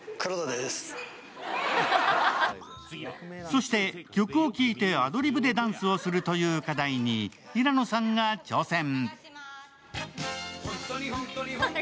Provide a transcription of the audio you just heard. そして曲を聴いてアドリブでダンスをするという課題に平野さんが挑戦。